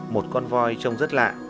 một con voi trông rất lạ